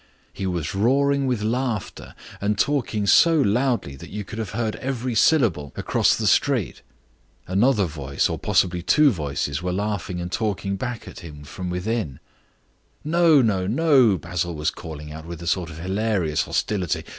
He was roaring with laughter and talking so loudly that you could have heard every syllable across the street. Another voice, or, possibly, two voices, were laughing and talking back at him from within. "No, no, no," Basil was calling out, with a sort of hilarious hostility.